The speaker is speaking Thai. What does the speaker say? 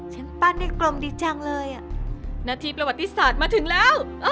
ฉันปาร์ตในกลมดีจังเลยนาธิประวัติศาจมาถึงแล้ว